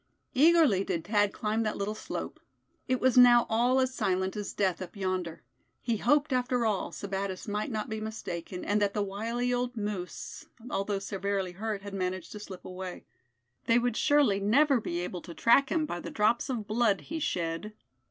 Eagerly did Thad climb that little slope. It was now all as silent as death up yonder. He hoped after all, Sebattis might not be mistaken, and that the wily old moose, although severely hurt, had managed to slip away. They would surely never be able to track him by the drops of blood he shed.